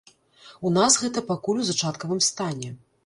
У нас гэта пакуль у зачаткавым стане.